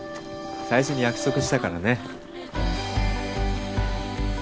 最初に約束したからね。